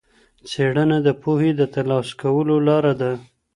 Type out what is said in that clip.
څېړنه د پوهي د ترلاسه کولو لاره ده.